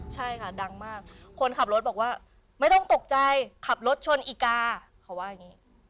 ใช่ค่ะดังมากคนขับรถบอกว่าไม่ต้องตกใจขับรถชนอีกาเขาว่าอย่างนี้